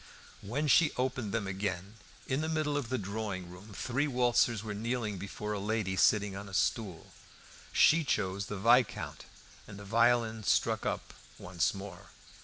When she opened them again, in the middle of the drawing room three waltzers were kneeling before a lady sitting on a stool. She chose the Viscount, and the violin struck up once more.